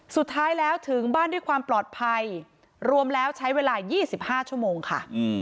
สุดท้ายแล้วถึงบ้านด้วยความปลอดภัยรวมแล้วใช้เวลา๒๕ชั่วโมงค่ะ